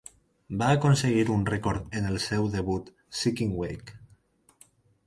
Va aconseguir un rècord en el seu debut "sekiwake".